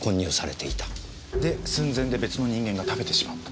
で寸前で別の人間が食べてしまった。